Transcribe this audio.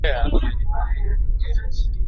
hata kama kushambulia binadamu Hata hivyo hakuna